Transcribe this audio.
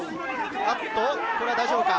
大丈夫か？